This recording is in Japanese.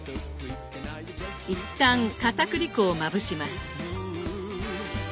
一旦かたくり粉をまぶします。